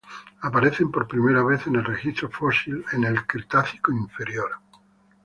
Aparecen por primera vez en el registro fósil en el Cretácico inferior.